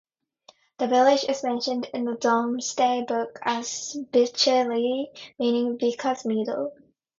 The village is mentioned in the Domesday Book as "Bichelei", meaning "Bicca's meadow".